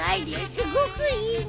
すごくいいね。